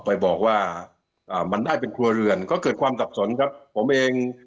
ไปบอกว่าอ่ามันได้เป็นครัวเรือนก็เกิดความสับสนครับผมเอง